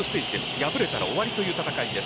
敗れたら終わりという戦いです。